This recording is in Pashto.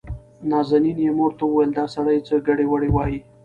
نازنين يې مور ته وويل دا سړى څه ګډې وډې وايي.